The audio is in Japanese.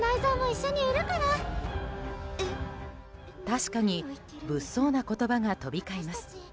確かに物騒な言葉が飛び交います。